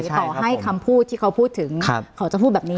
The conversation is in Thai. ต่อให้คำพูดที่เขาพูดถึงเขาจะพูดแบบนี้